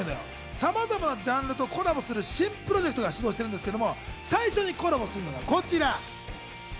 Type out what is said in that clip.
さまざまなジャンルとコラボする新プロジェクトが始動しているんですが最初にコラボするのがこちら。